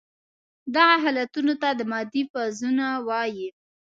دغه حالتونو ته د مادې فازونه وايي.